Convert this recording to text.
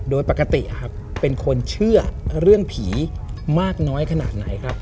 โดยปกติครับเป็นคนเชื่อเรื่องผีมากน้อยขนาดไหนครับ